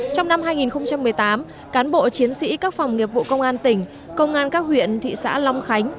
trong năm hai nghìn một mươi tám cán bộ chiến sĩ các phòng nghiệp vụ công an tỉnh công an các huyện thị xã long khánh